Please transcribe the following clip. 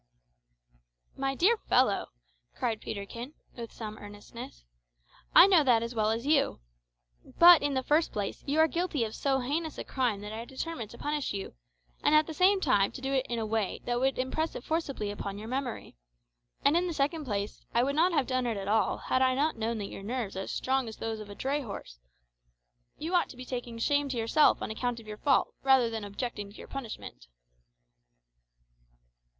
"My dear fellow," cried Peterkin, with much earnestness, "I know that as well as you. But, in the first place, you were guilty of so heinous a crime that I determined to punish you, and at the same time to do it in a way that would impress it forcibly on your memory; and in the second place, I would not have done it at all had I not known that your nerves are as strong as those of a dray horse. You ought to be taking shame to yourself on account of your fault rather than objecting to your punishment."